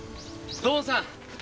土門さん！